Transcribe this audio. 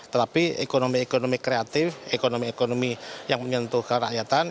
tetapi ekonomi ekonomi kreatif ekonomi ekonomi yang menyentuhkan rakyatan